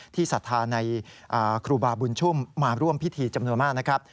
ศรัทธาในครูบาบุญชุ่มมาร่วมพิธีจำนวนมากนะครับ